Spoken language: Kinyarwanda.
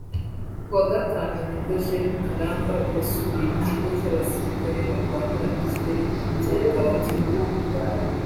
Ku wa Gatanu nibwo Gen Karamba yasuye Ikigo cy’abasirikare barwanira mu kirere cya Galatina